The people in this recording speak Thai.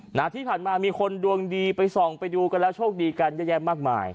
หน้าที่ผ่านมามีคนดวงดีไปส่องไปดูกันแล้วโชคดีกันเยอะแยะมากมาย